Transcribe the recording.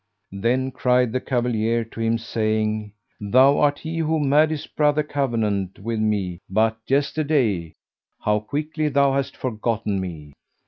Then cried the Cavalier to him saying, "Thou art he who madest brother covenant with me but yesterday: how quickly thou hast forgotten me!"